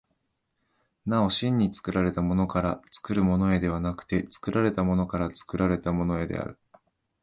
なお真に作られたものから作るものへではなくて、作られたものから作られたものへである。